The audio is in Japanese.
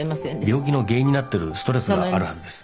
病気の原因になってるストレスがあるはずです。